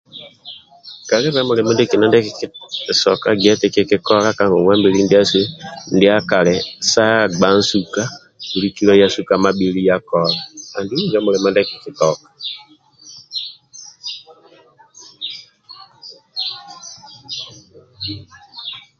Kalibe mulimo ndiekina ndie kikitoka gia eti kikikola ka ngonguwa mbili ndiasu ndiakali sa gba nsuka buli kilo yasu ka mabhili ya kola andulu injo mulimo ndie kikitoka.